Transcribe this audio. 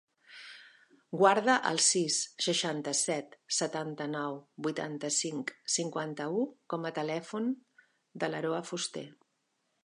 Guarda el sis, seixanta-set, setanta-nou, vuitanta-cinc, cinquanta-u com a telèfon de l'Aroa Fuster.